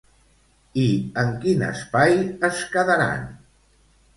I en quin espai es quedaran?